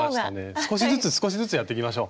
少しずつ少しずつやっていきましょう。